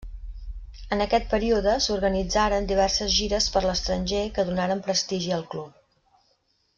En aquest període s'organitzaren diverses gires per l'estranger que donaren prestigi al club.